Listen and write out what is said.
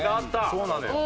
そうなのよ。